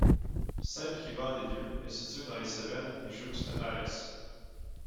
Saint-Privat-des-Vieux est situé dans les Cévennes et jouxte Alès.